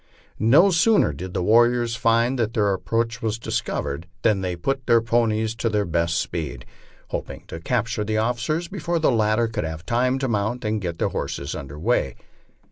No soon er did the warriors find that their approach was discovered than they put their ponies to their best speed, hoping to capture the officers before the latter could have time to mount and get their horses under headway.